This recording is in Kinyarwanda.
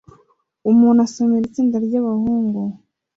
Umuntu asomera itsinda ryabahungu